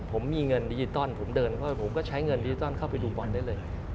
ผมมีเงินดิจิตอลผมเดินเพราะผมก็ใช้เงินดิจิทัลเข้าไปดูบอลได้เลย